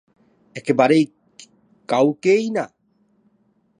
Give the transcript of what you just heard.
একেবারে কাউকেই না?